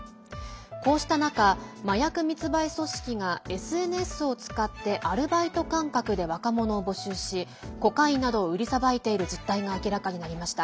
こうした中、麻薬密売組織がＳＮＳを使ってアルバイト感覚で若者を募集しコカインなどを売りさばいている実態が明らかになりました。